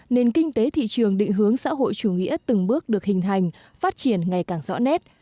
nền kinh tế thị trường định hướng xã hội chủ nghĩa từng bước được hình hành phát triển ngày càng rõ nét